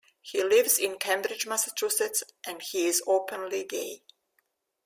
He lives in Cambridge, Massachusetts, and he is openly gay.